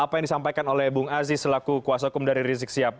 apa yang disampaikan oleh bung aziz selaku kuasa hukum dari rizik sihab